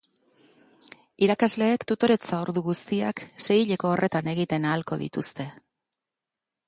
Irakasleek tutoretza-ordu guztiak seihileko horretan egiten ahalko dituzte.